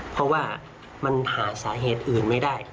เพราะว่ามันหาสาเหตุอื่นไม่ได้